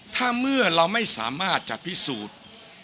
ถ้าเมื่อเราไม่สามารถจะพิสูจน์